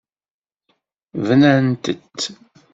Bnant-t.